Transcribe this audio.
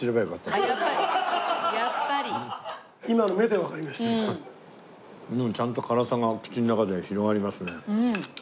でもちゃんと辛さが口の中で広がりますね。